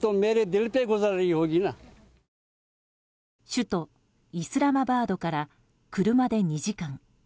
首都イスラマバードから車で２時間。